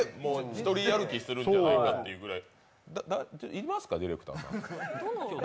ひとり歩きするんじゃないかってぐらい。